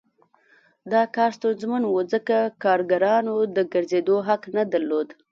دا کار ستونزمن و ځکه کارګرانو د ګرځېدو حق نه درلود